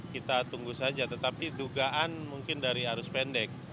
kita tunggu saja tetapi dugaan mungkin dari arus pendek